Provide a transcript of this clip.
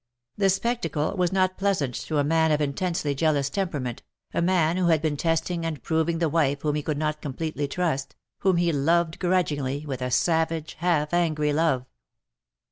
The spectacle was not pleasant to a man of intensely jealous temperament, a man who had been testing and proving the wife whom he could not completely trust, whom he loved grudgingly, with a savage half angry love.